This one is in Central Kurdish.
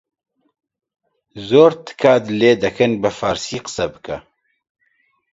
«زۆر تکات لێ دەکەن بە فارسی قسە بکە